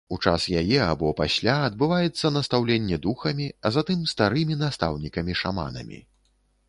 У час яе або пасля адбываецца настаўленне духамі, а затым старымі настаўнікамі-шаманамі.